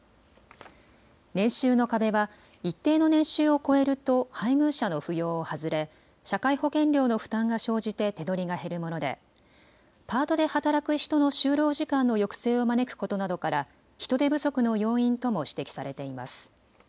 年収の壁は一定の年収を超えると配偶者の扶養を外れ社会保険料の負担が生じて手取りが減るものでパートで働く人の就労時間の抑制を招くことなどから人手不足の要因とも指摘されています。